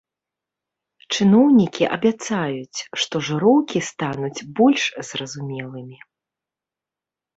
Чыноўнікі абяцаюць, што жыроўкі стануць больш зразумелымі.